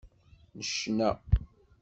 Necna.